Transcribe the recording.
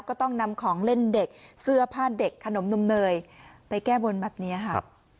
ก็ต้องนำของเล่นเด็กเสื้อผ้าเด็กขนมนมเนยไปแก้บนแบบนี้ค่ะ